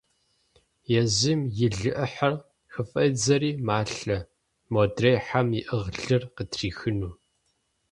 Езым и лы Ӏыхьэр хыфӀедзэри, малъэ, модрей хьэм иӀыгъ лыр къытрихыну.